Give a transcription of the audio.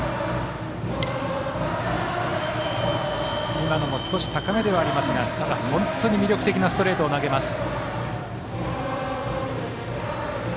今のも少し高めではありますが本当に魅力的なストレートを投げます。